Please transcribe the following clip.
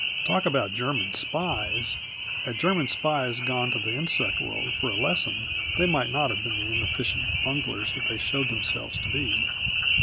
Talk about German spies! Had German spies gone to the insect world for a lesson, they might not have been the inefficient bunglers they showed themselves to be.